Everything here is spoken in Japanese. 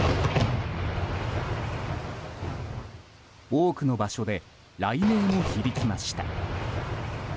多くの場所で雷鳴も響きました。